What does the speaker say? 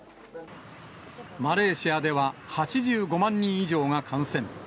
マレーシアでは、８５万人以上が感染。